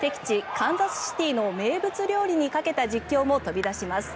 カンザスシティーの名物料理にかけた実況も飛び出します。